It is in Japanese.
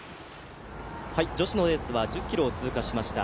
女子のレースは１０ｋｍを通過しました。